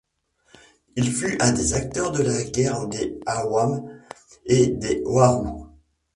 Il fut un des acteurs de la guerre des Awans et des Waroux.